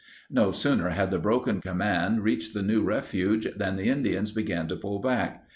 No sooner had the broken command reached the new refuge than the Indians began to pull back.